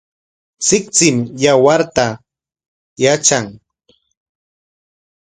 Tsiktsim yawarta yatran.